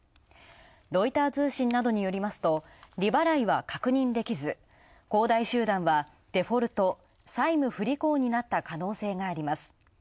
ロイター通信などによりますと、利払いは確認できず、恒大集団はデフォルト＝債務不履行になった可能性があります。